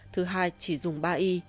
thứ hai chỉ dùng ba y